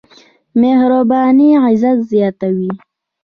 مهرباني عزت زياتوي.